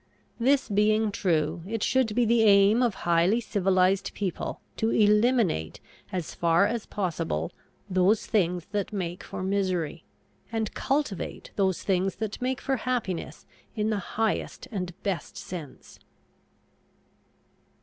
This being true, it should be the aim of highly civilized people to eliminate as far as possible those things that make for misery, and cultivate those things that make for happiness in the highest and best sense.